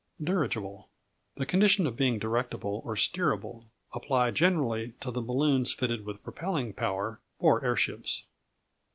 Dirigible The condition of being directable, or steerable: applied generally to the balloons fitted with propelling power, or airships.